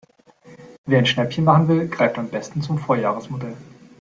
Wer ein Schnäppchen machen will, greift am besten zum Vorjahresmodell.